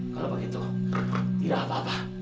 kalau begitu tidak apa apa